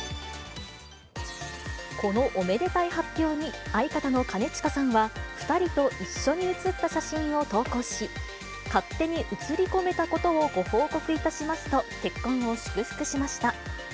このおめでたい発表に、相方の兼近さんは、２人と一緒に写った写真を投稿し、勝手に写り込めたことをご報告いたしますと、結婚を祝福しました。